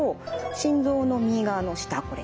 心臓の右側の下これ。